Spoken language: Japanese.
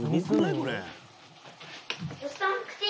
これ。